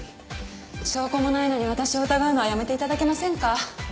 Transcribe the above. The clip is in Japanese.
証拠もないのに私を疑うのはやめて頂けませんか？